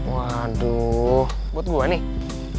waduh buat gue nih